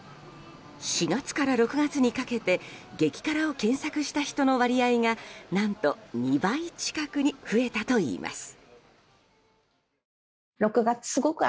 ４月から６月にかけて激辛を検索した人の割合が何と、２倍近くに増えたといいます。